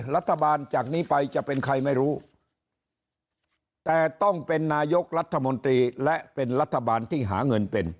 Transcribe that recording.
รัฐบาลจากนี้ไปจะเป็นใครไม่รู้แต่ต้องเป็นนายกรัฐมนตรีและเป็นรัฐบาลที่หาเงินเป็น